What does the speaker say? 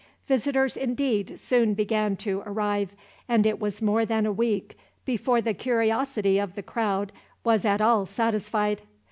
Visitors, indeed, soon began to arrive; and it was more than a week before the curiosity of the crowd was at all satisfied.